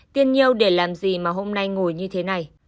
tiên nhiêu để làm gì mà hôm nay ngồi như thế này